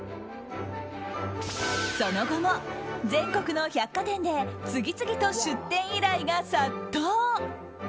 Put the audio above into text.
その後も、全国の百貨店で次々と出店依頼が殺到。